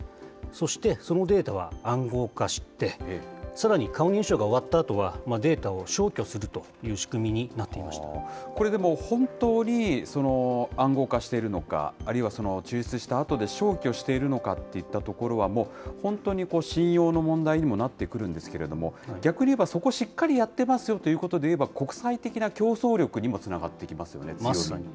そして、そのデータは暗号化して、さらに顔認証が終わったあとは、データを消去するという仕組みにこれでも、本当に暗号化しているのか、あるいは抽出したあとで消去しているのかっていったところは、もう、本当に信用の問題にもなってくるんですけれども、逆にいえば、そこしっかりやってますよということで言えば、国際的な競争力にもつながっていきますよね、強さに。